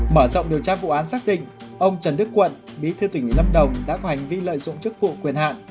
mở rộng điều tra vụ án xác định ông trần đức quận bí thư tỉnh ủy lâm đồng đã có hành vi lợi dụng chức vụ quyền hạn